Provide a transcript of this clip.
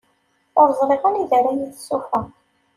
Ur ẓriɣ anida ara yi-tessuffeɣ.